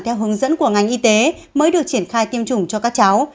theo hướng dẫn của ngành y tế mới được triển khai tiêm chủng cho các cháu